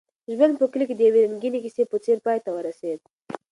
ژوند په کلي کې د یوې رنګینې کیسې په څېر پای ته ورسېد.